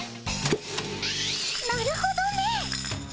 なるほどね。